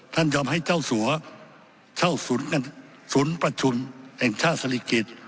ยอมให้เจ้าสัวเช่าศูนย์ประชุมแห่งชาติศิริกิจ